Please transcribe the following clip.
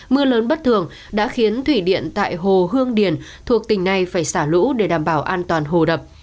mưa lớn bất thường đã khiến thủy điện tại hồ hương điền thuộc tỉnh này phải xả lũ để đảm bảo an toàn hồ đập